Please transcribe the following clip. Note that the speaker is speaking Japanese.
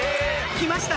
来ました！